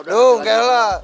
hei dong kehela